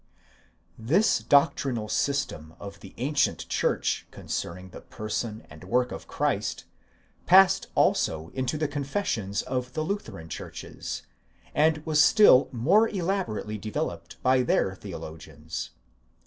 This doctrinal system of the ancient church concerning the person and work of Christ, passed also into the confessions of the Lutheran churches, and was still more elaborately developed by their theologians.